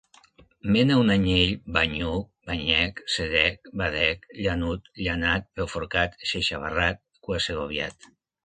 Mena un anyell banyuc, banyec, sedec, badec, llanut, llanat, peuforcat, xeixabarrat, cua-segoviat.